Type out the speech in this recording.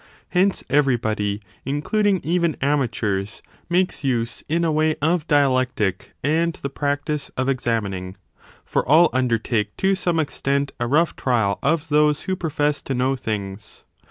Hence everybody, including even amateurs, makes use in a way of dialectic and the practice of examining : for all undertake to some extent a rough trial of those who profess to know things.